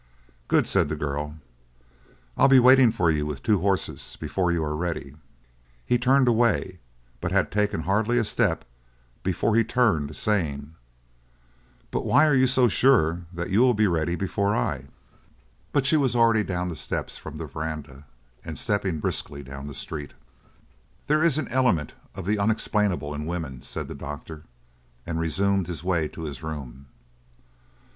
"Good!" said the girl, "I'll be waiting for you with two horses before you are ready." He turned away, but had taken hardly a step before he turned, saying: "But why are you so sure that you will be ready before I " but she was already down the steps from the veranda and stepping briskly down the street. "There is an element of the unexplainable in woman," said the doctor, and resumed his way to his room.